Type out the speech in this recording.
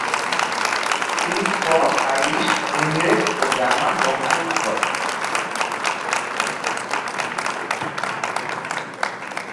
তিনি স্কট-আইরিশ, ইংরেজ ও জার্মান বংশোদ্ভূত।